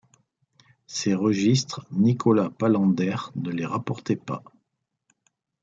Ces registres, Nicolas Palander ne les rapportait pas !